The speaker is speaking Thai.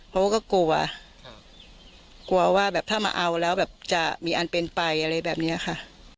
เขาก็กลัวกลัวว่าแบบถ้ามาเอาแล้วแบบจะมีอันเป็นไปอะไรแบบนี้ค่ะ